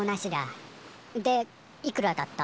でいくらだった？